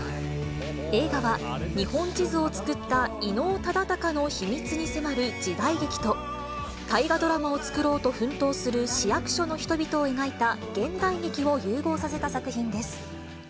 映画は、日本地図を作った伊能忠敬の秘密に迫る時代劇と、大河ドラマを作ろうと奮闘する市役所の人々を描いた現代劇を融合させた作品です。